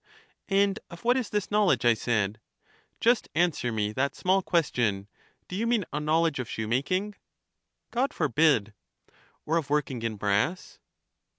And of what is this knowledge? I said. Just an swer me that small question. Do you mean a knowl edge of shoemaking? God forbid. Or of working in brass?